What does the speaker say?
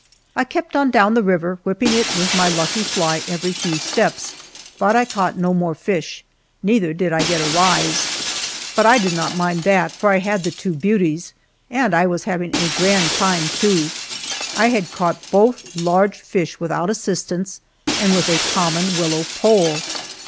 I kept on down the river, whipping it with my lucky fly every few steps, but I caught no more fish, neither did I get a rise, but I did not mind that, for I had the two beauties, and I was having a grand time too. I had caught both large fish without assistance and with a common willow pole.